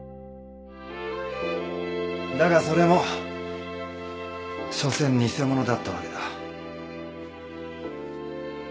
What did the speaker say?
だがそれもしょせん偽物だったわけだ。